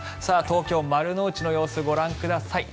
東京・丸の内の様子ご覧ください。